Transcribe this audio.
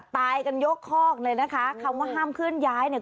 ตายกันยกคอกเลยนะคะคำว่าห้ามเคลื่อนย้ายเนี่ย